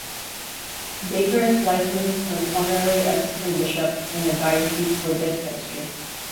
Baker is licensed as an honorary assistant bishop in the diocese for this ministry.